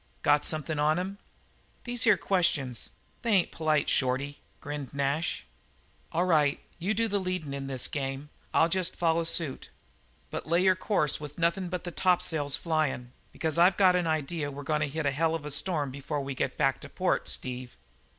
"Got something on him?" "These here questions, they ain't polite, Shorty," grinned Nash. "All right. You do the leadin' in this game and I'll jest follow suit. But lay your course with nothin' but the tops'ls flyin', because I've got an idea we're goin' to hit a hell of a storm before we get back to port, Steve."